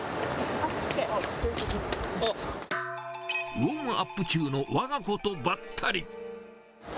ウォームアップ中のわが子とばったり。